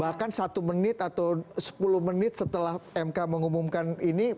bahkan satu menit atau sepuluh menit setelah mk mengumumkan ini